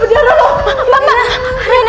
jangan reina jangan reina